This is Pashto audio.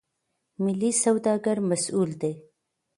ملي سوداګر مسئول دي.